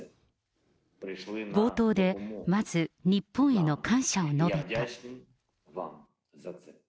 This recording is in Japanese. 冒頭でまず、日本への感謝を述べた。